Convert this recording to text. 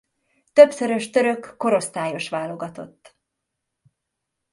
Többszörös török korosztályos válogatott.